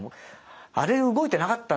あれ動いてなかったんだねって。